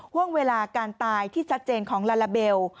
ห่วงเวลาการตายที่ชัดเจนของลาลาเบล